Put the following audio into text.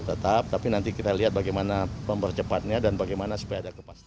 tetap tapi nanti kita lihat bagaimana mempercepatnya dan bagaimana supaya ada kepastian